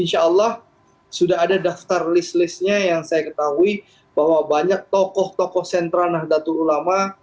insya allah sudah ada daftar list listnya yang saya ketahui bahwa banyak tokoh tokoh sentra nahdlatul ulama